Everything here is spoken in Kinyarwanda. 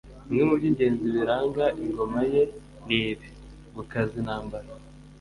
bimwe mu by'ingenzi biranga ingoma ye ni ibi : gukaza intambara